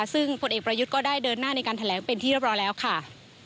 ซึ่งผลเอกประยุทธ์ก็ได้เดินหน้าในการแถลงเป็นที่เรียบร้อยแล้วค่ะ